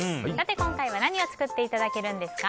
今回は何を作っていただけるんですか？